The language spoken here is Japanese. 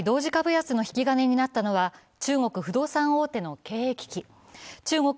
火曜日、世界同時株安の引き金になったのは中国・不動産大手の経営危機。